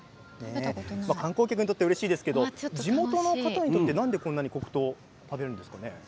観光客にとってうれしいですけど地元の方にとってなんでこんなに黒糖食べられるんですか？